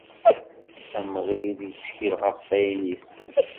Amɣid yettkel ɣef wayen yessen.